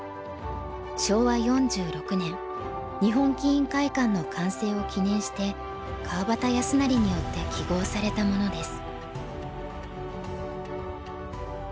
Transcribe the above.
昭和４６年日本棋院会館の完成を記念して川端康成によって揮ごうされたものです。